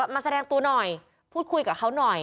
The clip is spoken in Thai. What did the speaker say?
มาแสดงตัวหน่อยพูดคุยกับเขาหน่อย